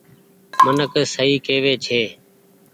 منک سئي ڪيوي ڇي۔